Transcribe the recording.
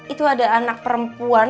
itu ada anak perempuan